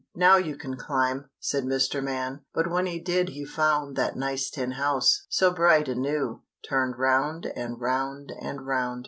"Now you can climb!" said Mr. Man, But when he did he found That nice tin house, so bright and new, Turned round and round and round.